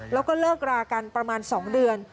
แล้วก็เลิกรากันประมาณ๒เดือน